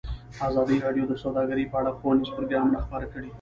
ازادي راډیو د سوداګري په اړه ښوونیز پروګرامونه خپاره کړي.